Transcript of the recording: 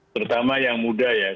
terutama yang muda ya